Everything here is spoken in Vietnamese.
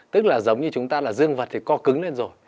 tức là giống như chúng ta là dương vật thì co cứng lên rồi